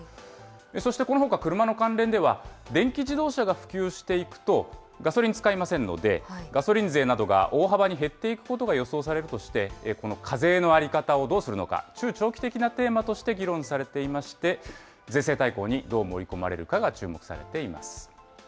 そしてこのほか車の関連では、電気自動車が普及していくと、ガソリン使いませんので、ガソリン税などが大幅に減っていくことが予想されるとして、この課税の在り方をどうするのか、中長期的なテーマとして議論されていまして、税制大綱にどう盛り込まれるかが注目されています。